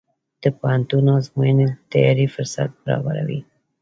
د پوهنتون ازموینې د تیاری فرصت برابروي.